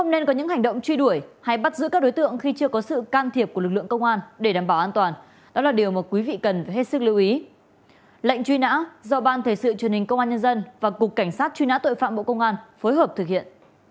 lệnh truy nã do ban thể sự truyền hình công an nhân dân và cục cảnh sát truy nã tội phạm bộ công an phối hợp thực hiện